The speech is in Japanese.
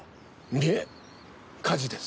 いえ火事です。